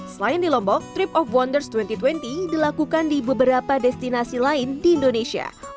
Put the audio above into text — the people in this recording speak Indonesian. selain di lombok trip of wonders dua ribu dua puluh dilakukan di beberapa destinasi lain di indonesia